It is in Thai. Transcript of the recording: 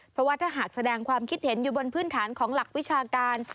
เพราะว่าถ้าหากแสดงความคิดเห็นอยู่บนพื้นฐานของหลักวิชาการ